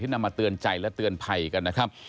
นำมาเตือนใจและเตือนภัยกันนะครับ